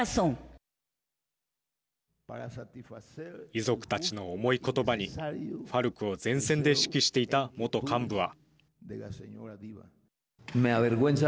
遺族たちの重いことばにＦＡＲＣを前線で指揮していた元幹部は。